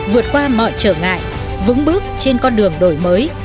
vượt qua mọi trở ngại vững bước trên con đường đổi mới